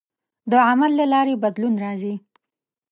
د عمل له لارې بدلون راځي.